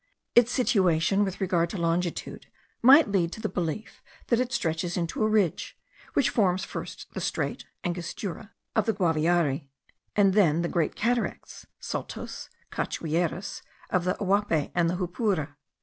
Its situation with regard to longitude might lead to the belief that it stretches into a ridge, which forms first the strait (angostura) of the Guaviare, and then the great cataracts (saltos, cachoeiras) of the Uaupe and the Jupura.